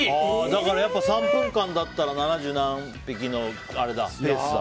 やっぱり３分間だったら七十何匹のペースだ。